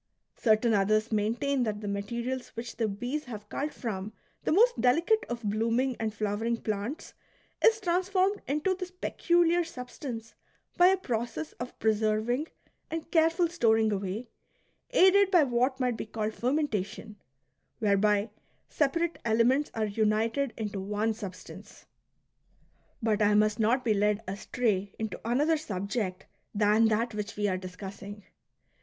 Certain others maintain that the materials which the bees have culled from the most delicate of blooming and flowering plants is transformed into this peculiar substance by a process of preserving and careful storing away, aided by what might be called fermentation, — whereby separate elements are united into one substance. But I must not be led astray into another subject than that which we are discussing.